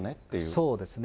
そうですね。